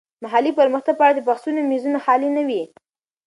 د محلي پرمختګ په اړه د بحثونو میزونه خالي نه وي.